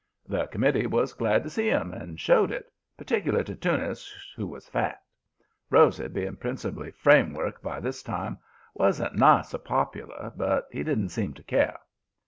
The committee was glad to see 'em, and showed it, particular to Teunis, who was fat. Rosy, being principally framework by this time, wa'n't nigh so popular; but he didn't seem to care.